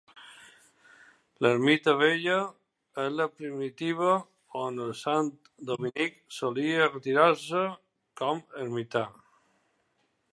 L'ermita vella és la primitiva on el sant dominic solia retirar-se com a ermità.